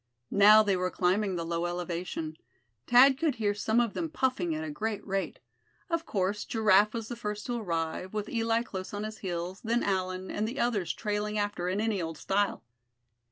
Now they were climbing the low elevation. Thad could hear some of them puffing at a great rate. Of course Giraffe was the first to arrive, with Eli close on his heels; then Allan, and the others trailing after in any old style.